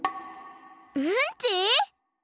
うんち！？